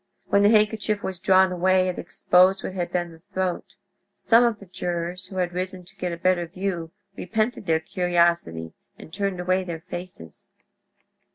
When the handkerchief was drawn away it exposed what had been the throat. Some of the jurors who had risen to get a better view repented their curiosity, and turned away their faces.